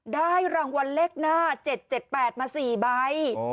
ได้รางวัลเลขหน้า๗๗๘มา๔ใบ